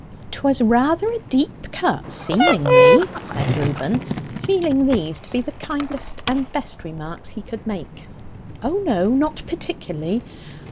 "'Twas rather a deep cut seemingly?" said Reuben, feeling these to be the kindest and best remarks he could make. "O, no; not particularly."